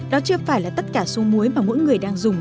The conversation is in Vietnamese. đó chưa phải là tất cả số muối mà mỗi người đang dùng